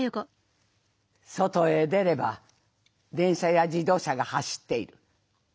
外へ出れば電車や自動車が走っている。